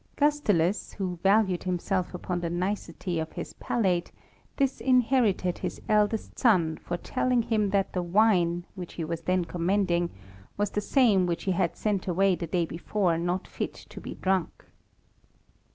Gustulus, who valued himself upon the nicety of his palate, disinherited his eldest son for 6o THE RAMBLER. telling him that the wine, which he was then commending, was the same which he had sent away the day before not fit to be drunk.